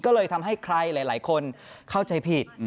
ก็เลยทำให้ใครหลายคนเข้าใจผิด